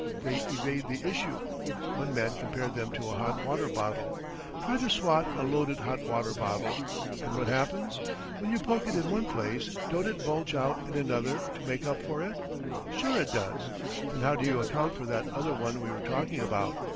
They evade the issue. One man compared them to a hot water bottle. Try to swat a loaded hot water bottle. And what happens? "When you poke it in one place don't it bulge out in another to make up for it? Sure it does. And how do you account for that other one we were talking about?